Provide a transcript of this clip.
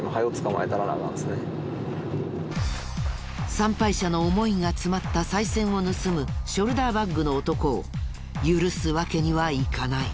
参拝者の思いが詰まったさい銭を盗むショルダーバッグの男を許すわけにはいかない。